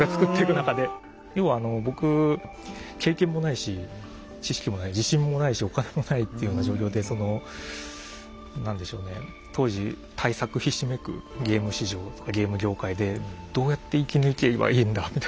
要はあの僕経験もないし知識もない自信ないしお金もないっていうような状況で何でしょうね当時大作ひしめくゲーム市場ゲーム業界で「どうやって生き抜けばいいんだ」みたいな。